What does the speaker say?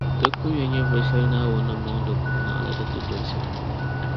Di kun ya nyɛvuli shεli Naawuni ni mɔŋ di kubu naɣila ni di soli.